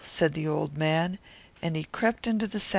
said the old man, as he crept into the bag.